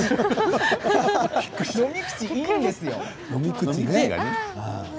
飲み口、いいんですよ。